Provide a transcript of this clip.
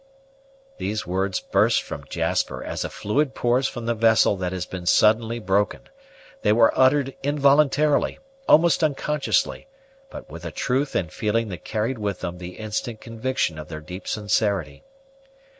These words burst from Jasper as a fluid pours from the vessel that has been suddenly broken. They were uttered involuntarily, almost unconsciously, but with a truth and feeling that carried with them the instant conviction of their deep sincerity.